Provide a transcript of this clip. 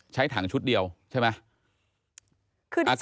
ใช้ถังชุดเดียวใช่ไหม